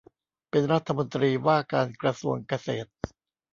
เป็นรัฐมนตรีว่าการกระทรวงเกษตร